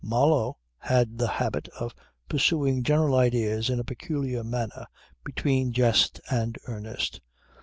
Marlow had the habit of pursuing general ideas in a peculiar manner, between jest and earnest.